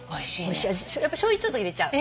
しょうゆちょっと入れちゃう。